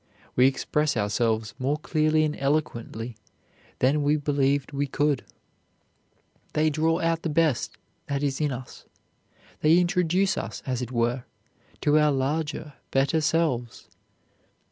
We express ourselves more clearly and eloquently than we believed we could. They draw out the best that is in us; they introduce us, as it were, to our larger, better selves.